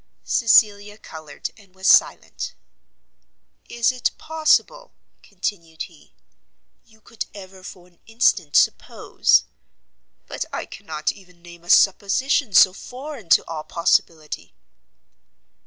Cecilia coloured, and was silent. "Is it possible," continued he, "you could ever for an instant suppose but I cannot even name a supposition so foreign to all possibility."